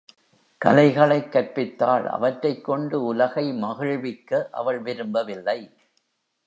கலைகளைக் கற்பித்தாள் அவற்றைக் கொண்டு உலகை மகிழ்விக்க அவள் விரும்பவில்லை.